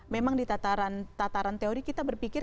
memang di tataran teori kita berpikir